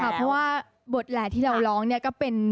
เพราะว่าบทแหล่ที่เราร้องเนี่ยก็เป็น